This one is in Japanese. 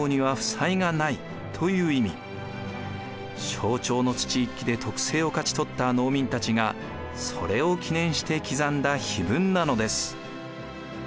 正長の土一揆で徳政を勝ち取った農民たちがそれを記念して刻んだ碑文なのです。